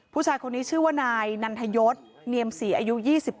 ผู้ชายคนนี้ชื่อว่านายนันทยศเนียมศรีอายุ๒๙